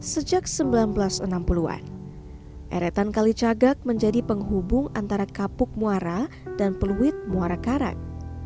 sejak seribu sembilan ratus enam puluh an eretan kali cagak menjadi penghubung antara kapuk muara dan peluit muara karang